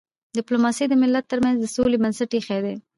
ډيپلوماسي د ملتونو ترمنځ د سولي بنسټ ایښی دی.